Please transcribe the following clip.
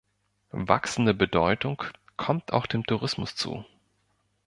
Wachsende Bedeutung kommt auch dem Tourismus zu.